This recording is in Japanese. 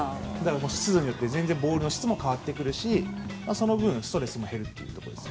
湿度によって全然ボールの質も変わってくるしその分、ストレスも減るということです。